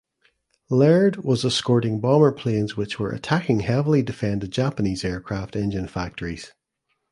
Laird was escorting bomber planes which were attacking heavily defended Japanese aircraft engine factories.